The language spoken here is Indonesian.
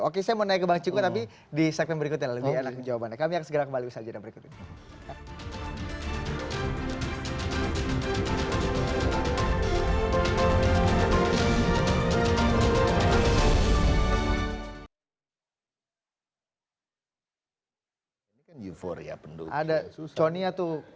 oke saya mau naik ke bang ciko tapi di segmen berikutnya lebih enak jawabannya